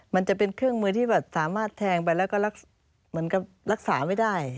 มันจะเป็นเครื่องมือที่แบบสามารถแทงไปแล้วก็เหมือนกับรักษาไม่ได้